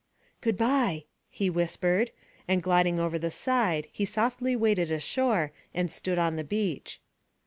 "Good bye," he whispered, and, gliding over the side, he softly waded ashore and stood on the beach.